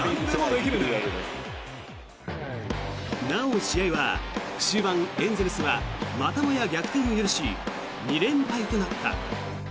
なお試合は終盤、エンゼルスはまたもや逆転を許し２連敗となった。